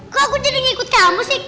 kalau aku jadi ngikut kamu sih